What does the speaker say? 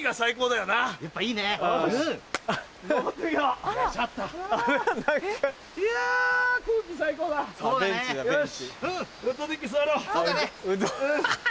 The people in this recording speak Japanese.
よし！